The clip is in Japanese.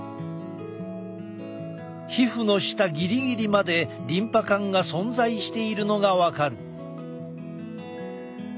皮膚の下ギリギリまでリンパ管が存在しているのが分かる。